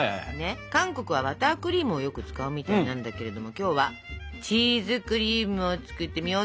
韓国はバタークリームをよく使うみたいなんだけれども今日はチーズクリームを作ってみようと思います